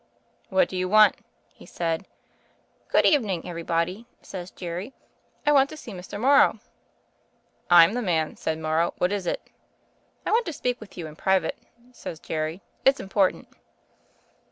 'What do you want?' he said. *Good evening, everybody,' says Jerry. *I want to see Mr. Morrow. 'I'm the man,' says Mor row, *what is it?' *I want to speak to you in private,' says Jerry. *It's important.'